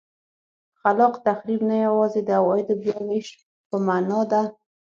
خلاق تخریب نه یوازې د عوایدو بیا وېش په معنا ده.